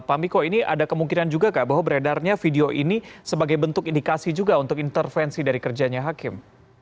pak miko ini ada kemungkinan juga bahwa beredarnya video ini sebagai bentuk indikasi juga untuk intervensi dari kerjanya hakim